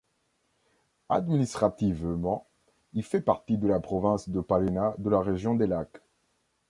Administrativement, il fait partie de la province de Palena de la région des Lacs.